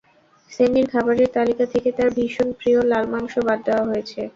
মেসির খাবারের তালিকা থেকে তাঁর ভীষণ প্রিয় লাল মাংস বাদ দেওয়া হয়েছে।